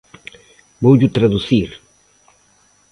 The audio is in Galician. Voullo traducir.